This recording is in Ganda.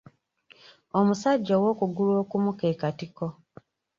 Omusajja ow’okugulu okumu ke katiko.